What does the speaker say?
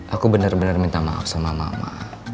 aku bener bener minta maaf sama mama ma